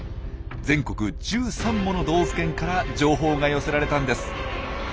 全国１３もの道府県から情報が寄せられたんです！